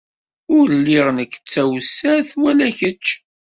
Ur lliɣ nekk d tawessart wala kečč.